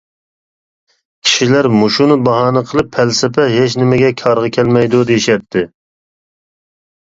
كىشىلەر مۇشۇنى باھانە قىلىپ پەلسەپە ھېچنېمىگە كارغا كەلمەيدۇ، دېيىشەتتى.